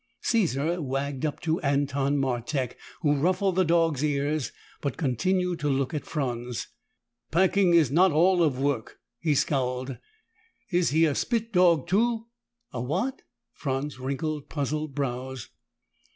Caesar wagged up to Anton Martek, who ruffled the dog's ears but continued to look at Franz. "Packing is not all of work." He scowled. "Is he a spit dog, too?" "A what?" Franz wrinkled puzzled brows.